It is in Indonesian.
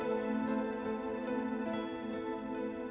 aku merasakan masalahmu pak